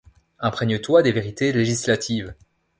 Imprègne-toi des vérités législatives.